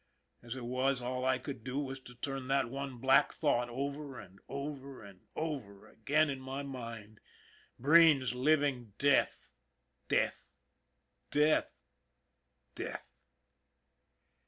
As it was, all I could do was to turn that one black thought over and over and over again in my mind. Breen's living death, death, death, death.